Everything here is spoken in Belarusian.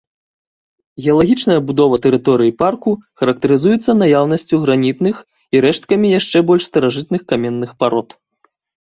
Геалагічная будова тэрыторыі парку характарызуецца наяўнасцю гранітных і рэшткамі яшчэ больш старажытных каменных парод.